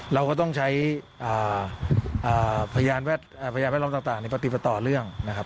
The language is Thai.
เราก็ต้องใช้อ่าอ่าพยานแวดอ่าพยานแวดล้อมต่างต่างในปฏิปต่อเรื่องนะครับ